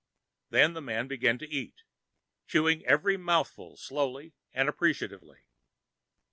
Then the man began to eat, chewing each mouthful slowly and appreciatively.